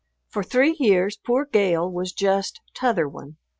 For three years poor Gale was just "t'other one."